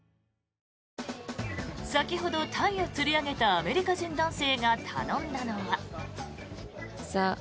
先ほどタイを釣り上げたアメリカ人男性が頼んだのは。